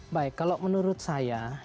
baik kalau menurut saya